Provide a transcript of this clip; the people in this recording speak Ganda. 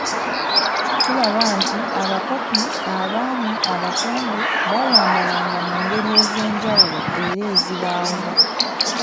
Tulaba nti, abakopi, abaami, abakungu, bayambalanga mu ngeri ez‘enjawulo era ezibaawula.